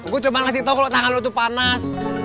gue cuma ngasih tau kalo tangan lu tuh panas